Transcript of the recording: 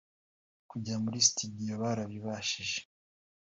‘kujya muri studio barabibashije